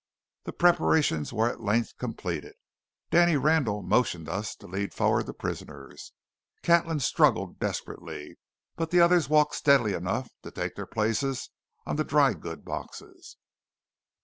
The preparations were at length completed. Danny Randall motioned us to lead forward the prisoners. Catlin struggled desperately, but the others walked steadily enough to take their places on the drygoods boxes.